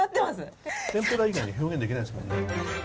天ぷら以外に表現できないですもんね。